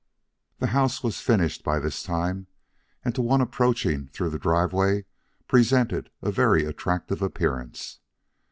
The house was finished by this time, and to one approaching through the driveway presented a very attractive appearance.